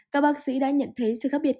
các bác sĩ đã nhận thấy sự khác biệt